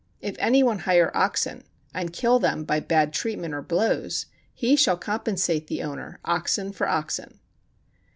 If any one hire oxen, and kill them by bad treatment or blows, he shall compensate the owner, oxen for oxen.